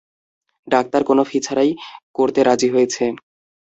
Doctor কোনো fee ছাড়াই করতে রাজি হয়েছে।